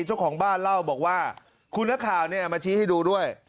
เจ้าของบ้านเล่าบอกว่าคุณฮาวมาชี้ให้ดูด้วย